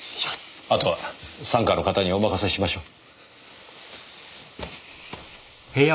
あとは三課の方にお任せしましょう。